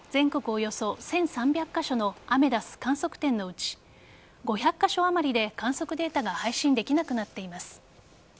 およそ１３００カ所のアメダス観測地点のうち５００カ所あまりで観測データが配信できなくなっています。